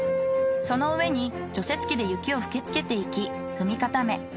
その上に除雪機で雪を吹き付けていき踏み固め